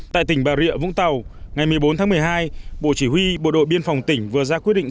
tại tỉnh bà rịa vũng tàu ngày một mươi bốn tháng một mươi hai bộ chỉ huy bộ đội biên phòng tỉnh vừa ra quyết định